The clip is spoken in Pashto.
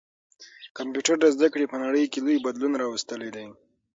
کمپيوټر د زده کړي په نړۍ کي لوی بدلون راوستلی دی.